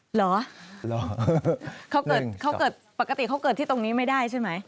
เหรอเขาเกิดเขาเกิดปกติเขาเกิดที่ตรงนี้ไม่ได้ใช่ไหม